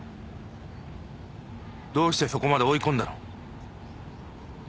どうしてそこまで追い込んだの？